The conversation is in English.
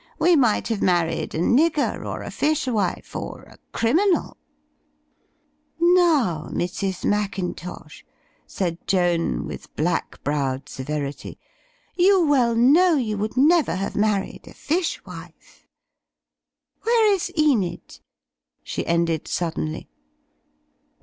We might have married a nigger or a fish wife or — a, criminal.'* "Now, Mrs. Mackintosh," said Joan, with black browed severity, "you well know you would never have married a fish wife. Where is Enid?" she ended suddenly.